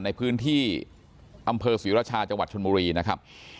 ในพื้นที่อำเภอศรีราชาจังหวัดชนบุรีนะครับ